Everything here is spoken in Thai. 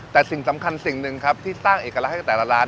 แต่สิ่งสำคัญสิ่งหนึ่งครับที่สร้างเอกลักษณ์แต่ละร้าน